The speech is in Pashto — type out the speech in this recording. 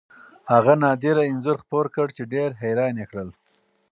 هغه نادره انځور خپور کړ چې ډېر حیران یې کړل.